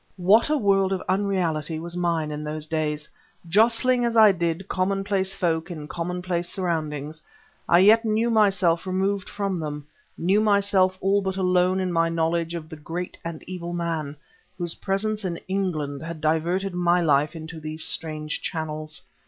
What a world of unreality was mine, in those days! Jostling, as I did, commonplace folk in commonplace surroundings, I yet knew myself removed from them, knew myself all but alone in my knowledge of the great and evil man, whose presence in England had diverted my life into these strange channels.